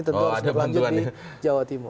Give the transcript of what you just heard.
tentu harus berlanjut di jawa timur